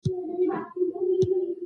دوکاندار له شکایتونو نه زدهکړه کوي.